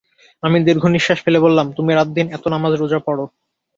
আমি দীর্ঘনিশ্বাস ফেলে বললাম, তুমি রাতদিন এত নামাজ-রোজা পড়।